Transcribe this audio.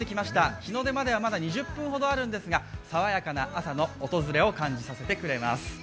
日の出までは、まだ２０分ほどあるんですが、爽やかな朝の訪れを感じさせてくれます。